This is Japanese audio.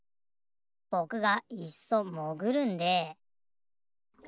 ぼくがいっそもぐるんで。